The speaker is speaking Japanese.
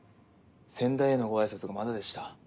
先代へのご挨拶がまだでした。